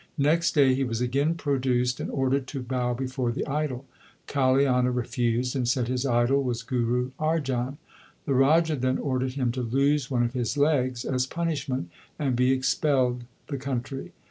Next day he was again produced, and ordered to bow before the idol. Kaliana refused, and said his idol was Guru Arjan. The Raja then ordered him to lose one of his legs as punishment, and be expelled the country.